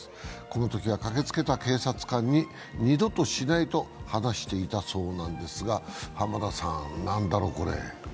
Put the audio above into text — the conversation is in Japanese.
このときは駆けつけた警察官に２度としないと話していたそうなんですが、浜田さん、何だろう、これ。